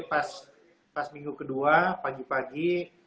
pas minggu kedua pagi pagi